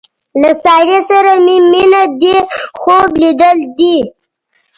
له سارې سره مې مینه دې خوب لیدل دي.